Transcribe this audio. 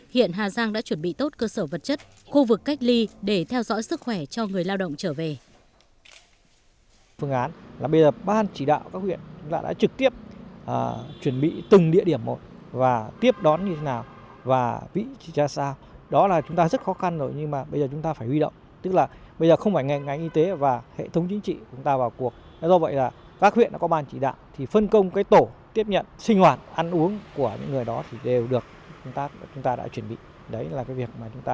hiện hà giang đã chuẩn bị tốt cơ sở vật chất khu vực cách ly để theo dõi sức khỏe cho người lao động trở về